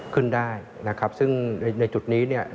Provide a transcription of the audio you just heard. ขึ้นได้นะครับซึ่งในจุดนี้เนี่ย